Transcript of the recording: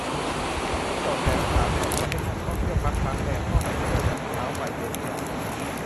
บนเกาะแสมสารไม่อนุญาตให้นักท่องเที่ยวพักค้างแรม ต้องไปเที่ยวแบบเช้าไปเย็นกลับ